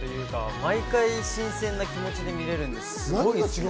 毎回、新鮮な気持ちで見れるんです。